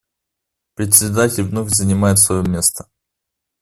Председатель вновь занимает свое место.